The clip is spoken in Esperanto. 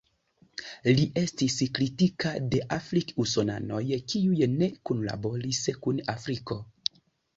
Li estis kritika de afrik-usonanoj kiuj ne kunlaboris kun Afriko.